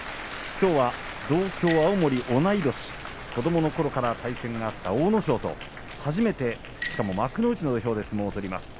きょうは同郷・青森同い年子どものころから対戦があった阿武咲と初めて、しかも幕内の土俵で相撲を取ります。